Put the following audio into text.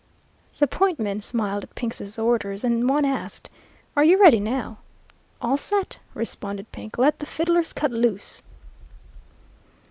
"The point men smiled at Pink's orders, and one asked, 'Are you ready now?' "'All set,' responded Pink. 'Let the fiddlers cut loose.'